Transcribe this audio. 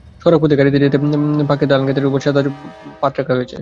সড়কপথে গাড়িতে যেতে দেখি পাকা ধানখেতের ওপর সাদা জাল পেতে রাখা হয়েছে।